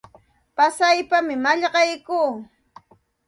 Pasaypam mallaqaykuu.